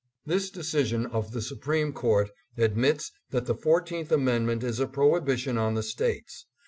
This decision of the Supreme Court admits that the Fourteenth Amendment is a prohibition on the States.